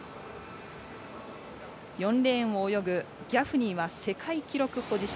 ４レーンを泳ぐギャフニーは世界記録保持者。